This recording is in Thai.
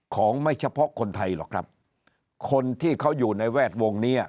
ของไม่เฉพาะคนไทยหรอกครับคนที่เขาอยู่ในแวดวงนี้